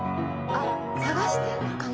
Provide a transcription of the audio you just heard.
探してんのかな？